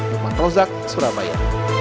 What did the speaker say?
di mantra uzak surabaya